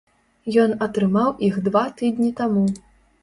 Ён атрымаў іх два тыдні таму.